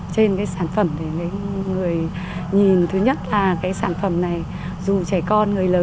trên cái sản phẩm để người nhìn thứ nhất là cái sản phẩm này dù trẻ con người lớn